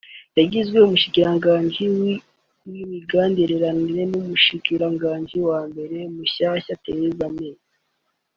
yagizwe umushikiranganji w'imigenderanire n'umushikiranganji wa mbere mushasha Theresa May